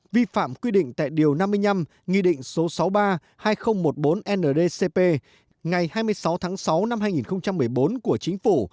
vi phạm quy định tại điều năm mươi năm nghị định số sáu mươi ba hai nghìn một mươi bốn ndcp ngày hai mươi sáu tháng sáu năm hai nghìn một mươi bốn của chính phủ